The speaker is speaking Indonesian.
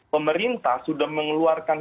pemerintah sudah mengeluarkan